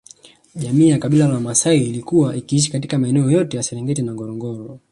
Jamii ya Kabila la Maasai ilikuwa ikiishi katika maeneo yote ya Serengeti na Ngorongoro